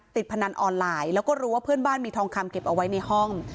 พนันออนไลน์แล้วก็รู้ว่าเพื่อนบ้านมีทองคำเก็บเอาไว้ในห้อง